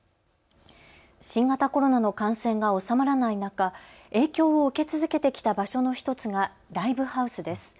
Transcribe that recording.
新型コロナの感染が収まらない中、影響を受け続けてきた場所の１つがライブハウスです。